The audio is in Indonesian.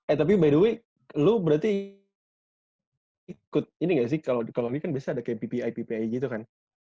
eh tapi by the way lu berarti ini gak sih kalo ini kan ada ppi ppi gitu kan